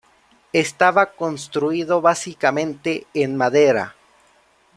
Estaba construido básicamente en madera.